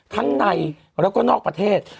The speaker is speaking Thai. ทั้งในแล้วก็นอกประเทศ